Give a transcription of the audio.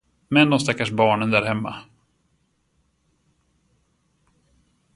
Men de stackars barnen där hemma.